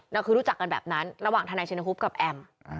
เราคือรู้จักกันแบบนั้นระหว่างทนายชินฮุบกับแอม